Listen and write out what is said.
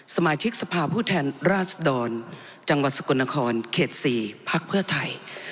สมาชิกสภาพผู้แทนราชดรจังหวัดสกลนครเขต๔พักเพื่อไทย